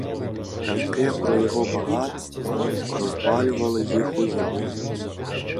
Казки про його багатства розпалювали їх уяву.